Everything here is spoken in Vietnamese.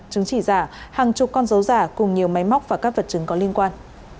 chứng chỉ giả hàng chục con dấu giả cùng nhiều máy móc và các vật chứng có liên quan